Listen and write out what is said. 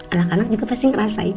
anak anak juga pasti ngerasain